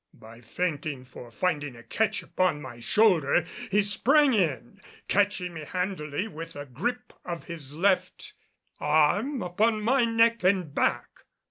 By feinting for finding a catch upon my shoulder, he sprang in, catching me handily with a gripe of his left arm upon my neck and back.